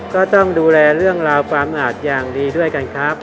ก็ต้องดูแลเรื่องราวความอาจอย่างดีด้วยกันครับ